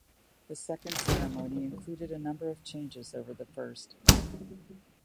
The second ceremony included a number of changes over the first.